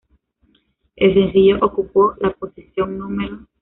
El sencillo ocupó la posición No.